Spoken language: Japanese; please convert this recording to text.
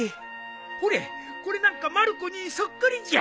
ほれこれなんかまる子にそっくりじゃ。